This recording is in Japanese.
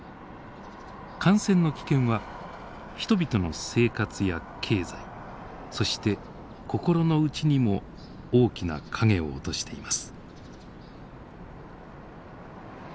感染の危険は人々の生活や経済そして心の内にも大きな影を落としています。